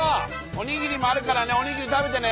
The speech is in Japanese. おにぎりもあるからねおにぎり食べてね。